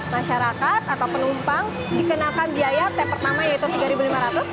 masyarakat atau penumpang dikenakan biaya tap pertama yaitu rp tiga lima ratus